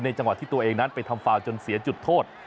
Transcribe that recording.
จังหวะที่ตัวเองนั้นไปทำฟาวจนเสียจุดโทษ